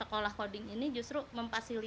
dengan adanya sekolah koding ini justru memfasilitasi